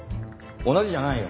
同じじゃないよ。